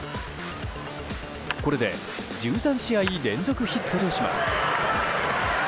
これで１３試合連続ヒットとします。